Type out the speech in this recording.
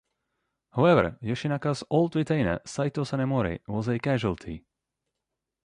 However, Yoshinaka's old retainer, Saito Sanemori, was a casualty.